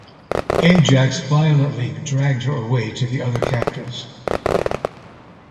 Ajax violently dragged her away to the other captives.